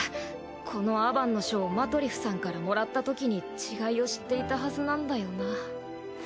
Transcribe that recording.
このアバンの書をマトリフさんからもらったときに違いを知っていたはずなんだよな。